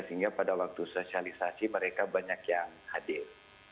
sehingga pada waktu sosialisasi mereka banyak yang hadir